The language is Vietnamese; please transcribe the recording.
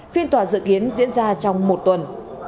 phiên tòa dự kiến diễn ra trong một tuần